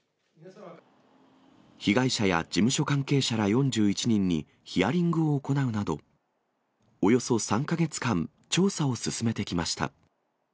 被害者や事務所関係者ら４１人にヒアリングを行うなど、およそ３か月間、調査を進めてきました。